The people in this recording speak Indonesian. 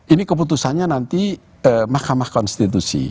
ini keputusannya nanti mahkamah konstitusi